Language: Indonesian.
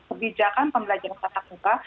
kebijakan pembelajaran tatap muka